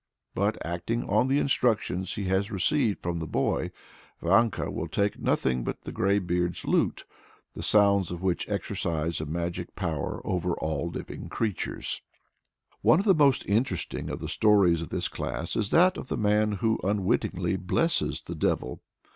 But, acting on the instructions he has received from the boy, Vanka will take nothing but the greybeard's lute, the sounds of which exercise a magic power over all living creatures. One of the most interesting of the stories of this class is that of the man who unwittingly blesses the devil.